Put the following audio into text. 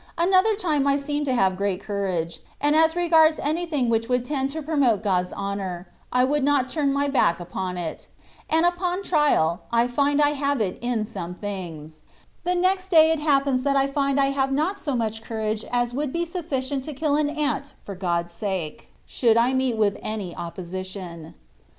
Another time I seem to have great courage ; and as regards anything which woiild tend to promote God's honour, I would not turn my back upon it, and upon trial I find I have it in some things; the next day it happens that I find I have not so much courage as would be sufficient to kill an ant for God^s sake, should I meet with any oppo sition.